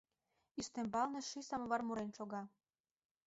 Ӱстембалне ший самовар мурен шога.